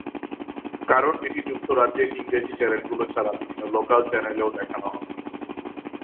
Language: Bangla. কারণ এটি যুক্তরাজ্যের ইংরেজি চ্যানেলগুলো ছাড়া বিভিন্ন লোকাল চ্যানেলেও দেখানো হবে।